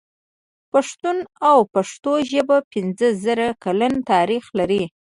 پښتون او پښتو ژبه پنځه زره کلن تاريخ لري.